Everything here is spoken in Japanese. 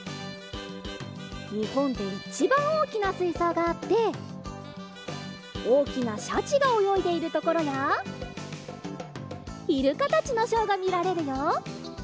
にほんでいちばんおおきなすいそうがあっておおきなシャチがおよいでいるところやイルカたちのショーがみられるよ。